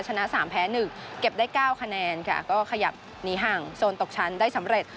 ชนะ๓แพ้๑เก็บได้๙คะแนนค่ะก็ขยับหนีห่างโซนตกชั้นได้สำเร็จ